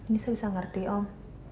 nisa bisa mengerti om